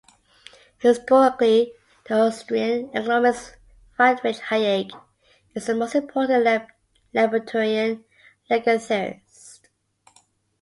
Historically, the Austrian economist Friedrich Hayek is the most important libertarian legal theorist.